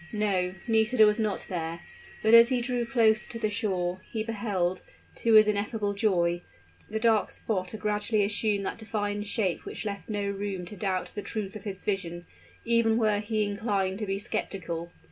No. Nisida was not there. But as he drew closer to the shore, he beheld, to his ineffable joy, the dark spot gradually assume that defined shape which left no room to doubt the truth of his vision, even were he inclined to be skeptical.